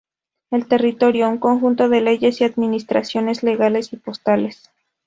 El territorio un conjunto de leyes, y administraciones legales y postales.